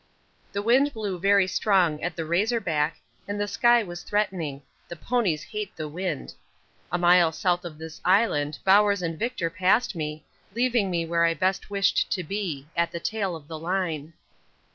The wind blew very strong at the Razor Back and the sky was threatening the ponies hate the wind. A mile south of this island Bowers and Victor passed me, leaving me where I best wished to be at the tail of the line.